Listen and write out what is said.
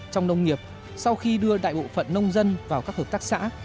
trong nông nghiệp sau khi đưa đại bộ phận nông dân vào các hợp tác xã